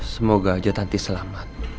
semoga aja tanti selamat